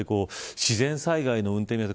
自然災害の運転見合わせ